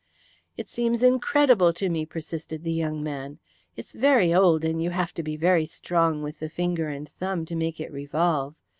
"It seems incredible to me," persisted the young man. "It's very old, and you have to be very strong with the finger and thumb to make it revolve.